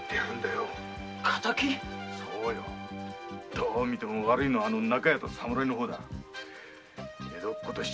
どう見ても悪いのは「中屋」と侍